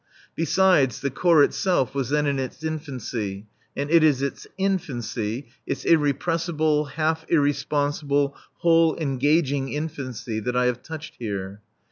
Besides, the Corps itself was then in its infancy, and it is its infancy its irrepressible, half irresponsible, whole engaging infancy that I have touched here.